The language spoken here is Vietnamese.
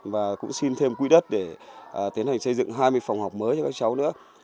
và cũng xin thêm quỹ đất để tiến hành xây dựng hai mươi phòng học mới cho các cháu nữa